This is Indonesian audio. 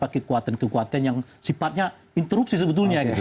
kekuatan kekuatan yang sifatnya interupsi sebetulnya gitu